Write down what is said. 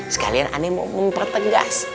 sekalian aneh mau mempertegas